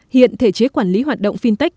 hiện thể chế quản lý hoạt động fintech